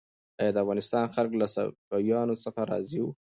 آیا د افغانستان خلک له صفویانو څخه راضي وو؟